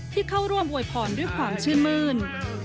เข้าร่วมอวยพรด้วยความชื่นมื้น